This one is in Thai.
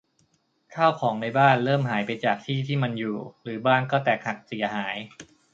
ข้าวของในบ้านเริ่มหายไปจากที่ที่มันอยู่ หรือบ้างก็แตกหักเสียหาย